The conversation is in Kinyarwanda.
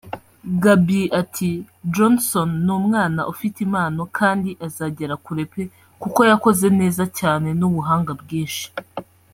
Gaby ati “Johnson ni umwana ufite impano kandi azagera kure pe kuko yakoze neza cyane n’ubuhanga bwinshi